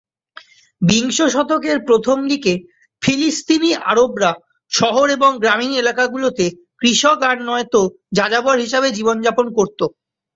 বিংশ শতকের প্রথম দিকে ফিলিস্তিনি আরবরা শহর এবং গ্রামীণ এলাকাগুলোতে কৃষক আর নয়তো যাযাবর হিসেবে জীবনযাপন করতো।